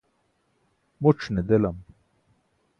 muc̣ ne delam.